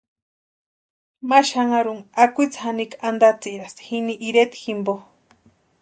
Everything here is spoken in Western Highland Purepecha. Ma xanharu akwitsi janikwa antatsirasti ini ireta jimpo.